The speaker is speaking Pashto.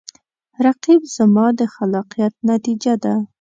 رقیب زما د خلاقیت نتیجه ده